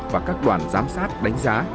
và các đoàn giám sát đánh giá